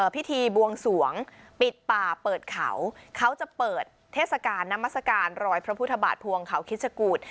พิธีบวงสวงปิดป่าเปิดเขาเขาจะเปิดเทศกาลน้ำมัศกาลรอยพระพุทธบาทภวงเขาคิดชะกูธ